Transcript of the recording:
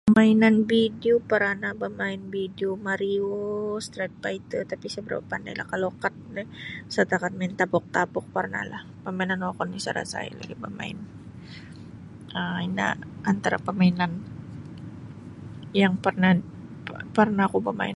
Pemainan vidio parana bemain vidio Mariu Street Pighter tapi isa berapa mapandailah tapi kad setakat main tapuk-tapuk pernahlah permainan wokon isa rasa isa lagi bamain um ino antara pemainan yang parna parna oku bamain.